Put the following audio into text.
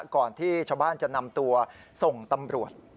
ก่อนที่ชาวบ้านจะนำตัวส่งตำรวจ